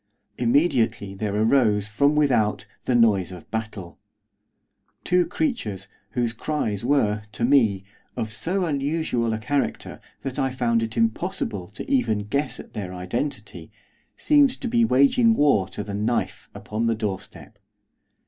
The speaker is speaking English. Immediately there arose, from without, the noise of battle. Two creatures, whose cries were, to me, of so unusual a character, that I found it impossible to even guess at their identity, seemed to be waging war to the knife upon the doorstep.